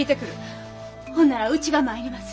ほんならうちが参ります。